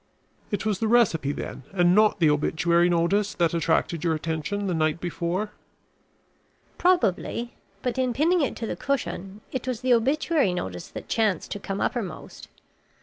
"It was the recipe, then, and not the obituary notice which attracted your attention the night before?" "Probably, but in pinning it to the cushion, it was the obituary notice that chanced to come uppermost.